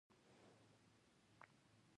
طبیعي ګلونه زړه راښکونکي وي.